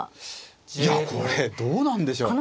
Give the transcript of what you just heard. いやこれどうなんでしょう。